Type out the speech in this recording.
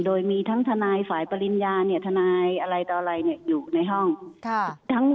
โดยมีทั้งทนายฝ่ายปริญญาทนายอะไรต่ออะไรอยู่ในห้อง